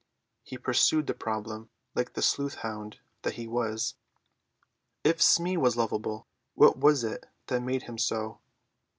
He pursued the problem like the sleuth hound that he was. If Smee was lovable, what was it that made him so?